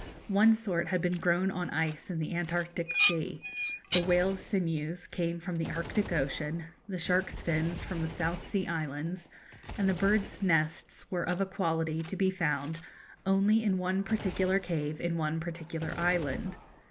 One sort had been grown on ice in the Antarctic Sea, the whale's sinews came from the Arctic Ocean, the shark's fins from the South Sea Islands, and the birds' nests were of a quality to be found only in one particular cave in one particular island.